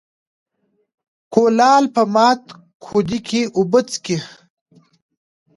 ـ کولال په مات کودي کې اوبه څکي.